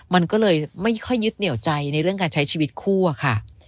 มันก็เลยไม่ค่อยยึดเหนียวใจในเรื่องการใช้ชีวิตคู่อะค่ะ